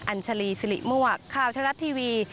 ัญชาลีสิริมั่วข่าวชะลัดทีวี